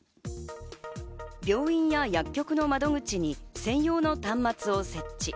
病院や薬局の窓口に専用の端末を設置。